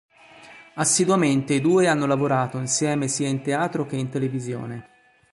Assiduamente i due hanno lavorato insieme sia in teatro che in televisione.